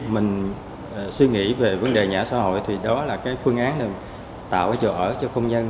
mình suy nghĩ về vấn đề nhà ở xã hội thì đó là cái phương án tạo chỗ ở cho công nhân